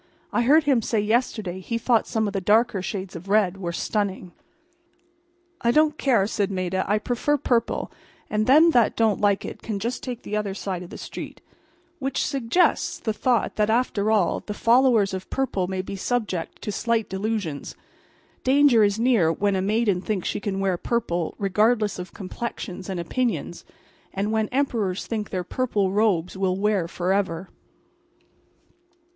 I heard him say yesterday he thought some of the dark shades of red were stunning." "I don't care," said Maida. "I prefer purple, and them that don't like it can just take the other side of the street." Which suggests the thought that after all, the followers of purple may be subject to slight delusions. Danger is near when a maiden thinks she can wear purple regardless of complexions and opinions; and when Emperors think their purple robes will wear forever.